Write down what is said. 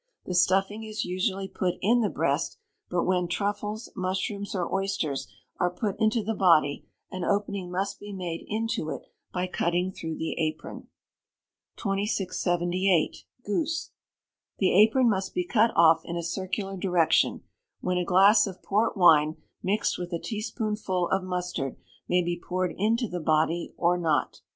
The stuffing is usually put in the breast; but when truffles, mushrooms, or oysters are put into the body, an opening must be made into it by cutting through the apron. 2678. Goose. The apron must be cut off in a circular direction, when a glass of port wine, mixed with a teaspoonful of mustard, may be poured into the body or not.